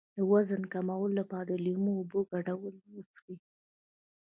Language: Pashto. د وزن کمولو لپاره د لیمو او اوبو ګډول وڅښئ